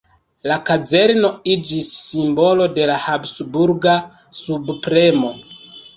La kazerno iĝis simbolo de la Habsburga subpremo.